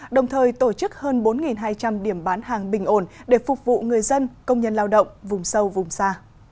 đồng thời tổ chức hơn bốn hai trăm linh điểm bán hàng bình ổn để phục vụ người dân công nhân lao động vùng sâu vùng xa